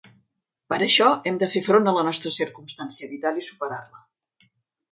Per això, hem de fer front a la nostra circumstància vital i superar-la.